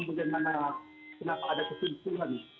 bagaimana kenapa ada kesimpulan